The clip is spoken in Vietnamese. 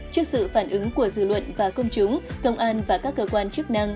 trước sự phản ứng của dư luận và công chúng công an và các cơ quan chức năng